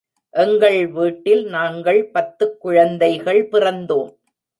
எங்கள் வீட்டில் நாங்கள் பத்துக் குழந்தைகள் பிறந்தோம்.